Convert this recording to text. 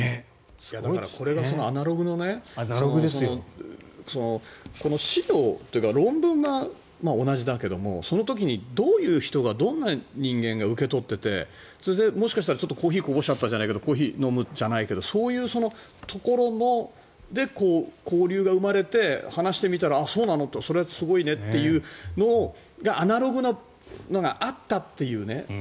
これがアナログのねこの資料というか論文が同じだけれども、その時にどういう人間が受け取っていてそれでもしかしたらコーヒーこぼしちゃったじゃないけどコーヒー飲む？じゃないけどそういうところで交流が生まれて話してみたら、あ、そうなのそれ、すごいねっていうアナログなのがあったっていうね。